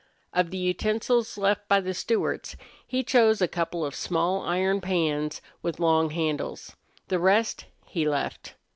Of the utensils left by the Stewarts he chose a couple of small iron pans, with long handles. The rest he left.